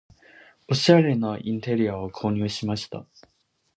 おしゃれなインテリアを購入した